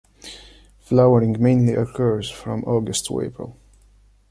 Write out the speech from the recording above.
Flowering mainly occurs from August to April.